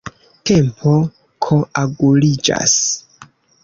Tempo koaguliĝas.